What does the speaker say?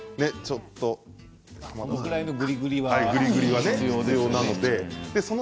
このぐらいのぐりぐりは必要ですね。